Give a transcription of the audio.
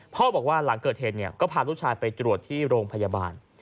บอกว่าหลังเกิดเหตุก็พาลูกชายไปตรวจที่โรงพยาบาล